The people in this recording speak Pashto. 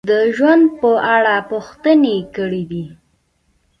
د ژوند په اړه پوښتنې کړې دي: